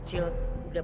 tengok aku dah